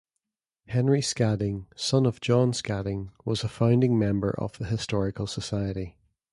Henry Scadding, son of John Scadding, was a founding member of the historical society.